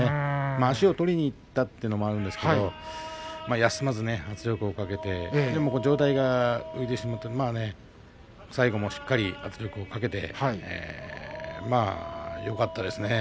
足を取りにいったということもあるんですが休まず圧力をかけて上体が浮いてしまって最後まで圧力をかけてよかったですね。